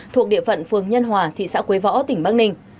thuộc địa phận phường nhân hòa thị xã quế võ tỉnh bắc ninh